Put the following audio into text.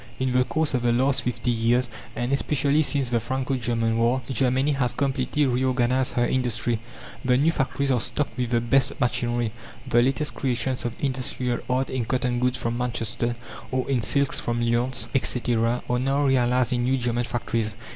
In the course of the last fifty years, and especially since the Franco German war, Germany has completely reorganized her industry. The new factories are stocked with the best machinery; the latest creations of industrial art in cotton goods from Manchester, or in silks from Lyons, etc., are now realized in new German factories.